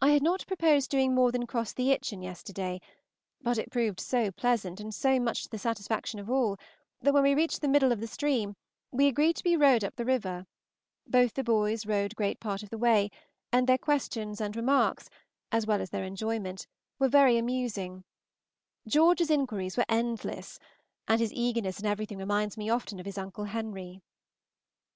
I had not proposed doing more than cross the Itchen yesterday, but it proved so pleasant, and so much to the satisfaction of all, that when we reached the middle of the stream we agreed to be rowed up the river; both the boys rowed great part of the way, and their questions and remarks, as well as their enjoyment, were very amusing; George's inquiries were endless, and his eagerness in everything reminds me often of his uncle Henry.